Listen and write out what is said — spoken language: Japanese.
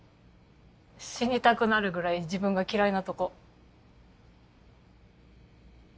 死にたくなるぐらい自分が嫌いなとこ。